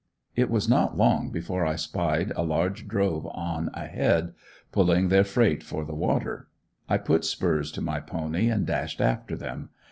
It was not long before I spied a large drove on ahead, pulling their freight for the water. I put spurs to my pony and dashed after them.